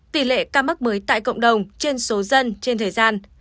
tỷ lệ ca mắc mới tại cộng đồng trên số dân trên thời gian